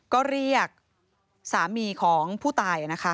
ก็เรียกสามีของผู้ตาย